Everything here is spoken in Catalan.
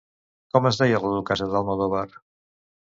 Com es deia la duquessa d'Almodóvar?